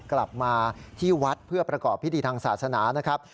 กลับมาที่วัดเพื่อประกอบพิธีทางศาสนานะครับ